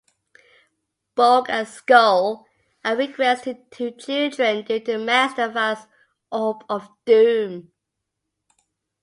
Bulk and Skull are regressed to children due to Master Vile's Orb of Doom.